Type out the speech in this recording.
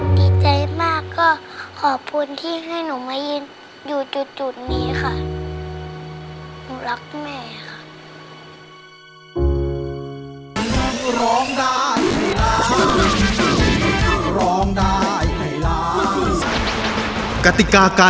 ดีใจมากก็ขอบคุณที่ให้หนูมายืนอยู่จุดนี้ค่ะ